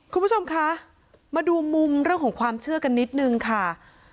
คุณผู้ชมคะมาดูมุมเรื่องของความเชื่อกันนิดนึงค่ะ